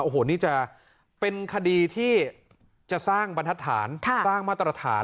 โอ้โหนี่จะเป็นคดีที่จะสร้างบรรทัศน์สร้างมาตรฐาน